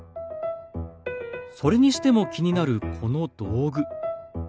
それにしても気になるこの道具。